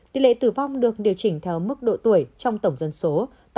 tỷ lệ tử vong được điều chỉnh theo mức độ tuổi trong tổng dân số